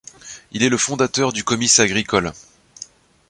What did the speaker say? Il est le fondateur du comice agricole.